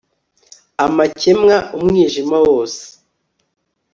amakemwa, umwijima wose